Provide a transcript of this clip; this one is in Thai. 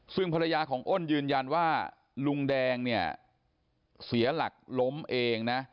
ซึ่งภรรยาของอ้นยืนยันว่าลุงแดงเนี่ยเสียหลักล้มเองนะ